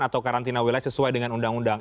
atau karantina wilayah sesuai dengan undang undang